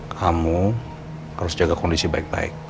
kamu harus jaga kondisi baik baik